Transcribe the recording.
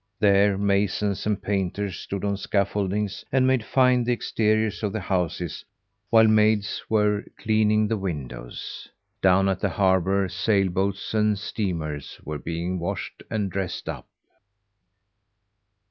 There, masons and painters stood on scaffoldings and made fine the exteriors of the houses while maids were cleaning the windows. Down at the harbour, sailboats and steamers were being washed and dressed up.